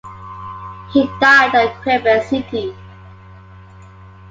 He died at Quebec City.